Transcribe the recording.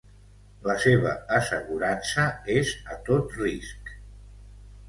La seva assegurança és a tot risc.